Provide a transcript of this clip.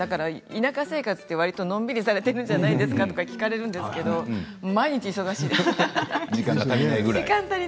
田舎生活ってのんびりされているんじゃないですか？と聞かれるんですけど毎日、忙しいですね